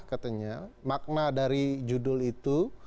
katanya makna dari judul itu